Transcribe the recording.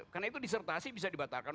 karena itu disertasi bisa dibatalkan